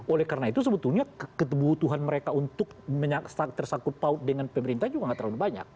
oleh karena itu sebetulnya kebutuhan mereka untuk tersangkut paut dengan pemerintah juga nggak terlalu banyak